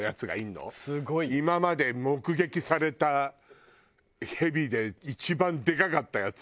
今まで目撃されたヘビで一番でかかったやつ。